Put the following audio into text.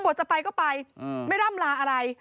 จะไปก็ไปไม่ร่ำลาอะไร